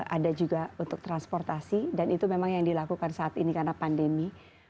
ada juga untuk transportasi dan itu memang yang dilakukan saat ini karena pandemi